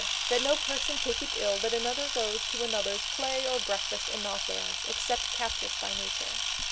That no person take it ill that anyone goes to another's play or breakfast and not theirs; except captious by nature.